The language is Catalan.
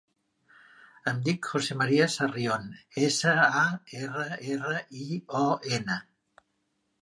Em dic José maria Sarrion: essa, a, erra, erra, i, o, ena.